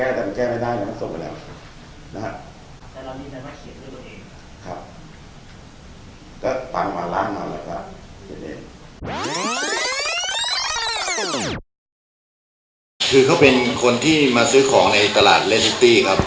ก็ต่างว่าร้านมันแหละค่ะคือเป็นคนที่มาซื้อของในตลาดเลสตี้ครับ